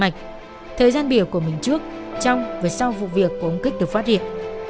trong thời gian biểu của mình trước trong và sau vụ việc của ông kích được phát hiện